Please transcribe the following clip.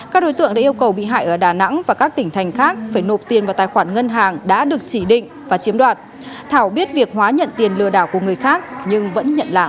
các đối tượng đã yêu cầu bị hại ở đà nẵng và các tỉnh thành khác phải nộp tiền vào tài khoản ngân hàng đã được chỉ định và chiếm đoạt thảo biết việc hóa nhận tiền lừa đảo của người khác nhưng vẫn nhận lại